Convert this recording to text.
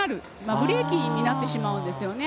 ブレーキになってしまうんですね。